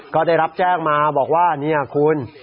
ก็ได้รับแจ้งมาบอกว่าเนี่ยคุณ